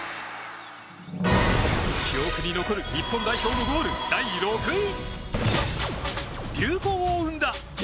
記憶に残る日本代表のゴール第６位。